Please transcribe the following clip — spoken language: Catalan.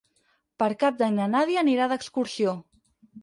Per Cap d'Any na Nàdia anirà d'excursió.